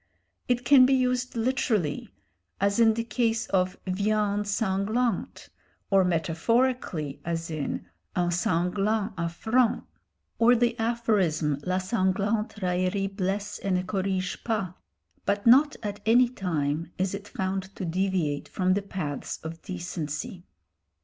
It can be used literally, as in the case of viande sanglante, or metaphorically, as in un sanglant affront or the aphorism la sanglante raillerie blesse et ne corrige pas, but not at any time is it found to deviate from the paths of decency.